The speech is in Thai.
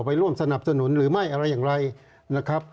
ร่วมสนับสนุนหรือไม่อะไรอย่างไรนะครับ